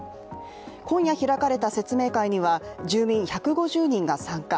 今夜開かれた説明会には住民１５０人が参加。